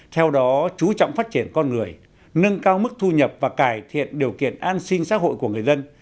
theo đó chú trọng phát triển con người nâng cao mức thu nhập và cải thiện điều kiện an sinh xã hội của người dân